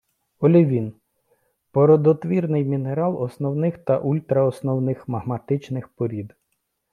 Олівін - породотвірний мінерал основних та ультраосновних магматичних порід